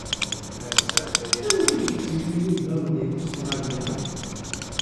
Amek i yettili Yuba di Ustralya?